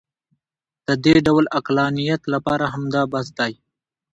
د دې ډول عقلانیت لپاره همدا بس دی.